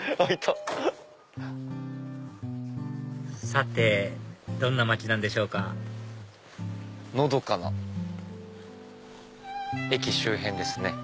さてどんな町なんでしょうかのどかな駅周辺ですね。